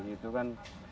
itu kan seperti